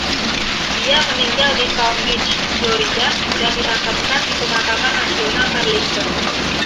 Dia meninggal di Palm Beach, Florida, dan dimakamkan di Pemakaman Nasional Arlington.